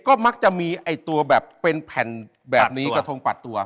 ก็มักจะมีไอ้ตัวแบบเป็นแผ่นแบบนี้กระทงปัดตัว